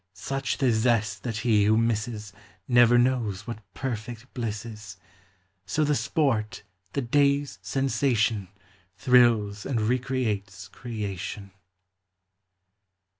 Such the zest that he who misses Never knows what perfect bliss is. So the sport, the day's sensation, Thrills and recreates creation.